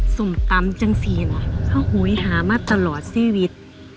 สุ่มตำจังษีนพ่อหวยหามาตลอดชีวิต